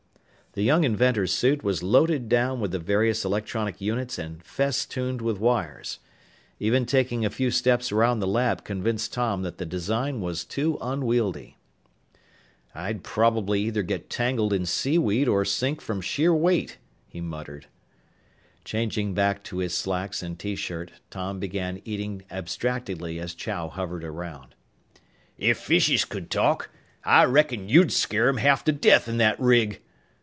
The young inventor's suit was loaded down with the various electronic units and festooned with wires. Even taking a few steps around the lab convinced Tom that the design was too unwieldy. "I'd probably either get tangled in seaweed or sink from sheer weight," he muttered. Changing back to his slacks and T shirt, Tom began eating abstractedly as Chow hovered around. "If fishes could talk, I reckon you'd scare 'em half to death in that rig!"